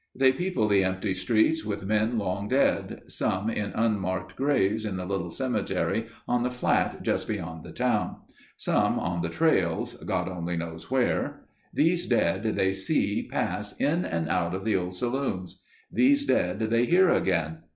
They people the empty streets with men long dead, some in unmarked graves in the little cemetery on the flat just beyond the town. Some on the trails, God only knows where. These dead they see pass in and out of the old saloons. These dead they hear again.